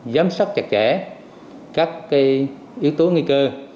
giám sát chặt chẽ các yếu tố nguy cơ